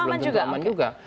belum tentu aman juga